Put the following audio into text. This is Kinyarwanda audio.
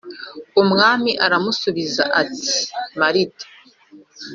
Umwami aramusubiza ati Marita